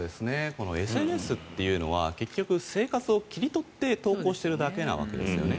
ＳＮＳというのは結局生活を切り取って投稿しているだけのわけですね。